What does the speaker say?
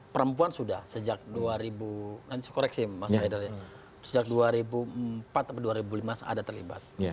perempuan sudah sejak dua ribu empat atau dua ribu lima ada terlibat